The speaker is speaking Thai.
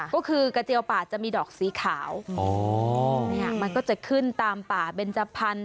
ก็คือกระเจียวป่าจะมีดอกสีขาวเนี่ยมันก็จะขึ้นตามป่าเบนจพันธ